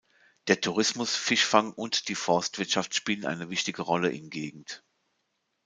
Der Tourismus, Fischfang und die Forstwirtschaft spielen eine wichtige Rolle in Gegend.